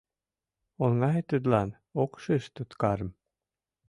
Оҥай тудлан — ок шиж туткарым.